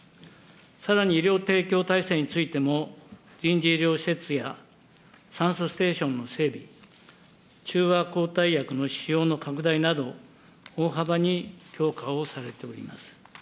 さらに医療提供体制についても、臨時医療施設や、酸素ステーションの整備、中和抗体薬の使用の拡大など、大幅に強化をされております。